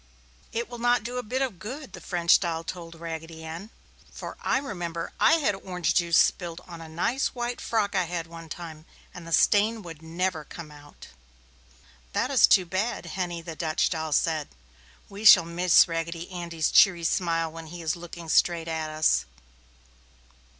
"It will not do a bit of good!" the French doll told Raggedy Ann, "for I remember I had orange juice spilled upon a nice white frock I had one time, and the stain would never come out!" "That is too bad!" Henny, the Dutch doll, said. "We shall miss Raggedy Andy's cheery smile when he is looking straight at us!"